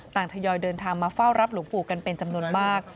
ทยอยเดินทางมาเฝ้ารับหลวงปู่กันเป็นจำนวนมาก